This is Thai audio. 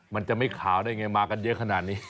มันจะไม่ขาวได้ไงมากันเยอะขนาดนี้